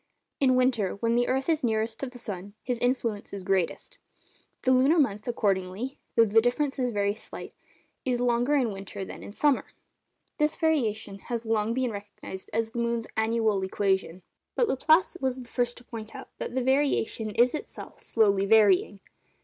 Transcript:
In winter, when the earth is nearest to the sun, his influence is greatest. The lunar month, accordingly (though the difference is very slight), is longer in winter than in summer. This variation had long been recognised as the moon's 'annual equation;' but Laplace was the first to point out that the variation is itself slowly varying.